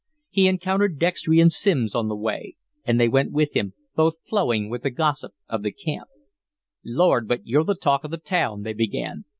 He encountered Dextry and Simms on the way, and they went with him, both flowing with the gossip of the camp. "Lord, but you're the talk of the town," they began.